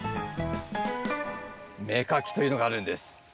芽かきというのがあるんです。